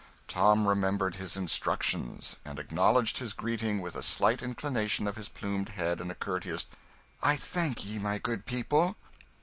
Tom remembered his instructions, and acknowledged his greeting with a slight inclination of his plumed head, and a courteous "I thank ye, my good people."